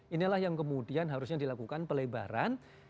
inilah yang kemudian harusnya dilakukan pelebaran